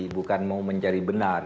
bukan mau mencari benar